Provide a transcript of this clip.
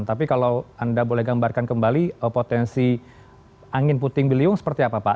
tapi kalau anda boleh gambarkan kembali potensi angin puting beliung seperti apa pak